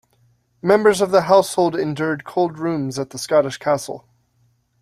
Members of the household endured cold rooms at the Scottish castle.